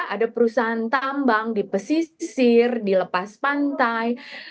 ada perusahaan tambang di pesisir dilepas pantai